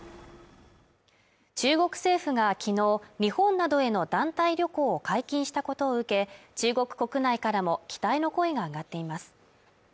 中国政府がきのう日本などへの団体旅行を解禁したことを受け中国国内からも期待の声が上がっています